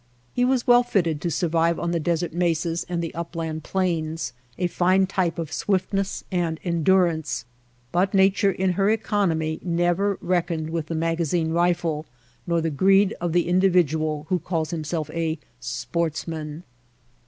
He was well fitted to survive on the desert mesas and the upland plains — a fine type of swiftness and endurance — but Nature in her economy never reckoned with the magazine rifle nor the greed of the individual who calls himself a sports man.